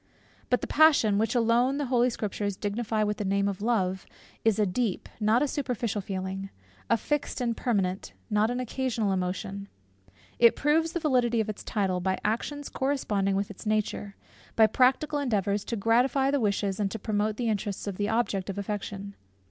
But the passion, which alone the Holy Scriptures dignify with the name of Love, is a deep, not a superficial feeling; a fixed and permanent, not an occasional emotion. It proves the validity of its title, by actions corresponding with its nature, by practical endeavours to gratify the wishes and to promote the interests of the object of affection.